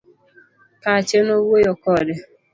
Pache nowuoyo kode.